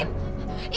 masya allah adim